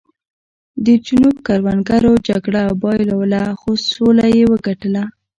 د جنوب کروندګرو جګړه بایلوله خو سوله یې وګټله.